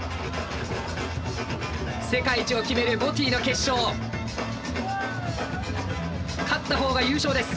世界一を決めるＢＯＴＹの決勝勝ったほうが優勝です。